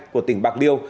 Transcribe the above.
của tỉnh bạc điêu